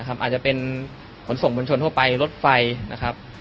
อาจจะเป็นขนส่งบนชนทั่วไปรถไฟนะครับ